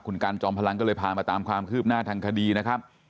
คุณกันจอมพลังก็เลยพามาตามความคืบหน้าทางคดีนะครับ